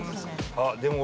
あっでも俺。